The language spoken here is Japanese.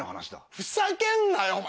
ふざけんなよお前。